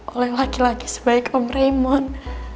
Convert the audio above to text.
oleh laki laki sebaik om raymond